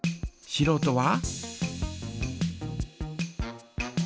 しろうとは？